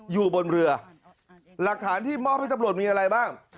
อยู่บนเรือหลักฐานที่มอบให้พนักงานสอบสวนมีอะไรบ้าง